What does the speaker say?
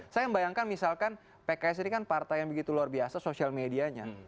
saya membayangkan misalkan pks ini kan partai yang begitu luar biasa sosial medianya